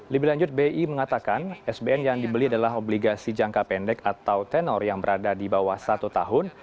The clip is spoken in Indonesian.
lebih lanjut bi mengatakan sbn yang dibeli adalah obligasi jangka pendek atau tenor yang berada di bawah satu tahun